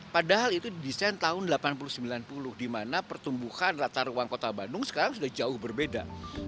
padahal itu didesain tahun seribu delapan ratus sembilan puluh di mana pertumbuhan rata ruang kota bandung sekarang sudah jauh berbeda